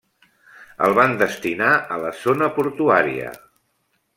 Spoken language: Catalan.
El van destinar a la zona portuària.